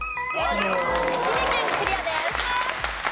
愛媛県クリアです。